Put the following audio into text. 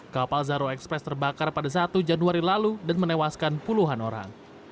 kapal zahro express terbakar pada satu januari lalu dan menewaskan puluhan orang